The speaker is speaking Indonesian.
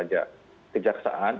kejaksaan yang sekarang bertugas